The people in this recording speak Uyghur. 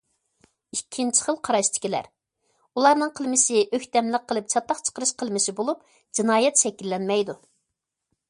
ئىككىنچى خىل قاراشتىكىلەر: ئۇلارنىڭ قىلمىشى ئۆكتەملىك قىلىپ چاتاق چىقىرىش قىلمىشى بولۇپ، جىنايەت شەكىللەنمەيدۇ.